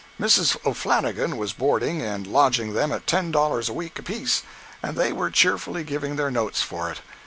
Mrs. O'Flannigan was boarding and lodging them at ten dollars a week apiece, and they were cheerfully giving their notes for it.